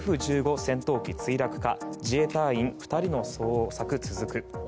戦闘機墜落か自衛隊員２人の捜索続く。